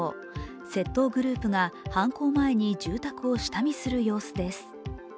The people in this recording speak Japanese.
窃盗グループが犯行前に住宅を下見する様子です。